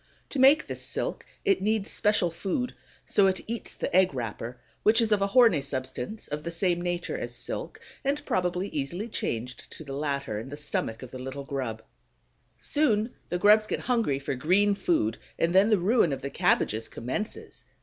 To make this silk, it needs special food; so it eats the egg wrapper, which is of a horny substance of the same nature as silk, and probably easily changed to the latter in the stomach of the little grub. Soon the grubs get hungry for green food, and then the ruin of the cabbages commences.